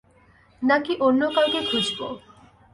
নাকি অন্য কাউকে খুঁজব।